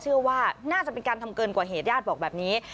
เชื่อว่าน่าจะเป็นการทำเกินกว่าเหตุญาติบอกแบบนี้